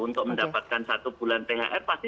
untuk mendapatkan satu bulan thr pasti